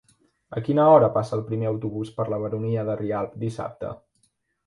A quina hora passa el primer autobús per la Baronia de Rialb dissabte?